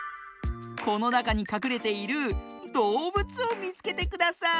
このなかにかくれているどうぶつをみつけてください。